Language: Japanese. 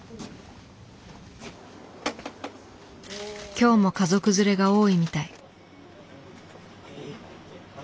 今日も家族連れが多いみたい。